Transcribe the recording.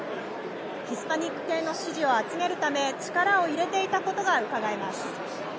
ヒスパニック系の支持を集めるため力を入れていたことがうかがえます。